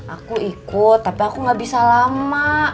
aku ikut tapi aku gak bisa lama